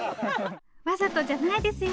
わざとじゃないですよ